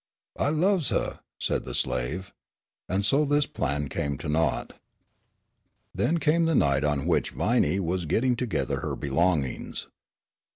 "I loves huh," said the slave. And so this plan came to naught. Then came the night on which Viney was getting together her belongings.